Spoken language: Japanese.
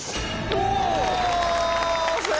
お！